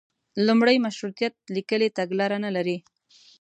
لومړی مشروطیت لیکلي تګلاره نه لري.